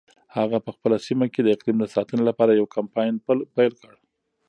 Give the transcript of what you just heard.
هغه په خپله سیمه کې د اقلیم د ساتنې لپاره یو کمپاین پیل کړ.